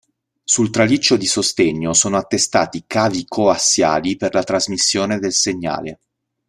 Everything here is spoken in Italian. Sul traliccio di sostegno sono attestati cavi coassiali per la trasmissione del segnale.